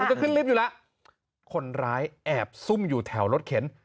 จะขึ้นลิฟต์อยู่แล้วคนร้ายแอบซุ่มอยู่แถวรถเข็น